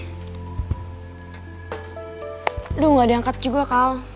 aduh gak diangkat juga kal